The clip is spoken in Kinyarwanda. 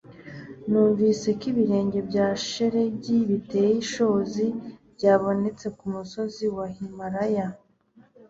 Numvise ko ibirenge bya shelegi biteye ishozi byabonetse kumusozi wa Himalaya